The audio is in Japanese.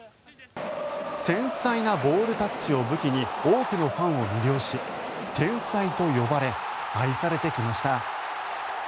繊細なボールタッチを武器に多くのファンを魅了し天才と呼ばれ愛されてきました。